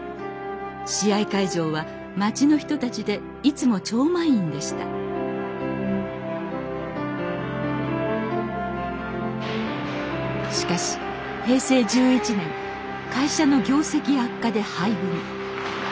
試合会場は町の人たちでいつも超満員でしたしかし平成１１年会社の業績悪化で廃部に。